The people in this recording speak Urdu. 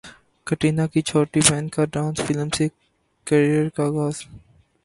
کترینہ کی چھوٹی بہن کا ڈانس فلم سے کیریئر کا اغاز